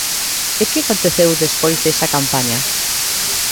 ¿E que aconteceu despois desa campaña?